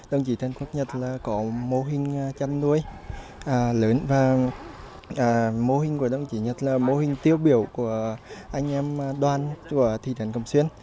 đồng chí trần quốc nhật là có mô hình chăn nuôi lớn và mô hình của đồng chí nhật là mô hình tiêu biểu của anh em đoàn của thị trấn cẩm xuyên